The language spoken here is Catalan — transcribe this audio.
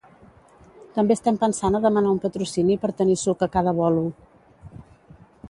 També estem pensant a demanar un patrocini per tenir suc a cada bolo.